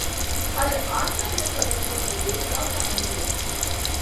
அது ஆட்டமிழப்பதற்குரிய ஏதுவாக அமைந்துவிடும்.